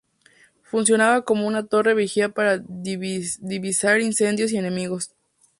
Funcionaba como una torre vigía para divisar incendios y enemigos.